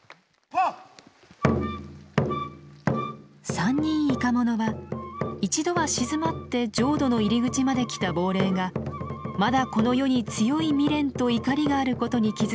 「三人怒者」は一度は鎮まって浄土の入り口まで来た亡霊がまだこの世に強い未練と怒りがあることに気付き